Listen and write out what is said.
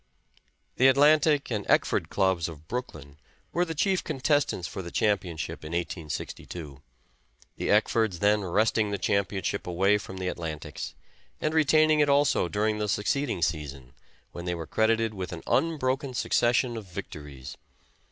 The Atlantic and Eckford Clubs of Brooklyn were the chief contestants for the championship in 1862, the Eckfords then wresting the championship away from the Atlantics, and retaining it also during the succeeding season, when they were credited with an unbroken succession of victories.